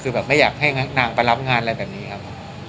คือแบบไม่อยากให้นางไปรับงานอะไรแบบนี้ครับ